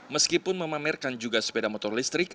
meskipun memamerkan juga sepeda motor listrik